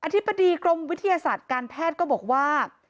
ธิบดีกรมวิทยาศาสตร์การแพทย์ก็บอกว่า